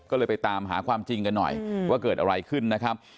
ก็เลยไปตามหาความจริงกันหน่อยว่าเกิดอะไรขึ้นนะครับ